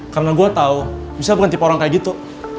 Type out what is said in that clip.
karena gue tau michelle bukan tipe orang kayak gitu